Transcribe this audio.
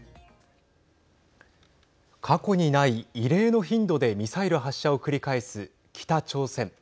過去にない異例の頻度でミサイル発射を繰り返す北朝鮮。